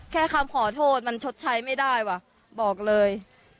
คำขอโทษมันชดใช้ไม่ได้ว่ะบอกเลย